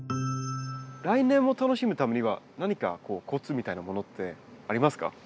来年も楽しむためには何かコツみたいなものってありますか？